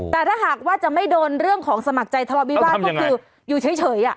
แต่ถ้าหากว่าจะไม่โดนเรื่องของสมัครใจทะเลาวิวาสก็คืออยู่เฉย